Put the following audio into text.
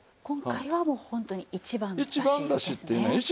今回はもうホントに一番だしですね。